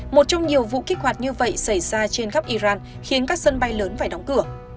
một trong nhiều vụ kích hoạt như vậy xảy ra trên khắp iran khiến các sân bay lớn phải đóng cửa